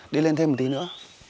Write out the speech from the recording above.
đi lên thêm một tí nữa